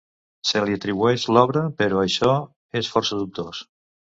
Se li atribueix l'obra però això és força dubtós.